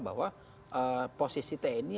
bahwa posisi tni